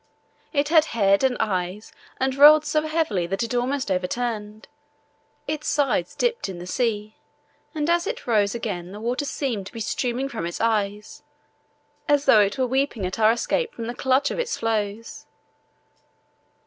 It had head and eyes and rolled so heavily that it almost overturned. Its sides dipped deep in the sea, and as it rose again the water seemed to be streaming from its eyes, as though it were weeping at our escape from the clutch of the floes.